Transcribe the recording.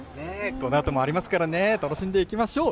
このあともありますからね、楽しんでいきましょう。